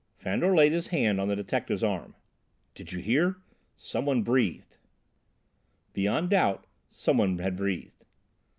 Fandor laid his hand on the detective's arm. "Did you hear; some one breathed!" Beyond doubt some one had breathed!